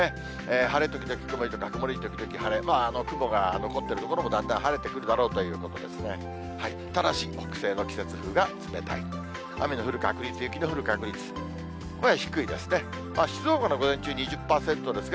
晴れ時々曇りとか、曇り時々晴れ、雲が残っている所もだんだん晴れてくるだろうということですね。